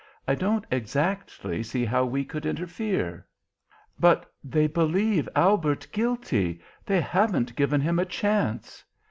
"I don't exactly see how we could interfere." "But they believe Albert guilty! They haven't given him a chance!"